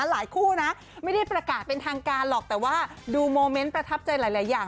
คู่นะไม่ได้ประกาศเป็นทางการหรอกแต่ว่าดูโมเมนต์ประทับใจหลายอย่าง